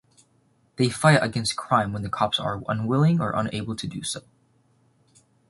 They fight against crime when the cops are unwilling or unable to do so.